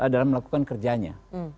dalam melakukan kerjanya